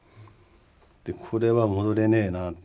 でこれは戻れねえなって。